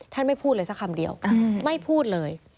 ไม่พูดเลยสักคำเดียวไม่พูดเลย